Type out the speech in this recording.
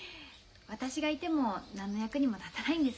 私がいても何の役にも立たないんですけど。